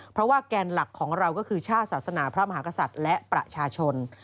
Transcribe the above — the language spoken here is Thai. เพราะว่าแกนหลักของเราก็คือชาติศาสนาพระมหากษัตริย์และประชาชน